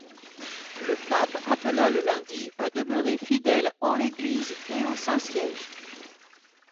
Le pape appela le lundi à demeurer fidèle en l'Église et au Saint-Siège.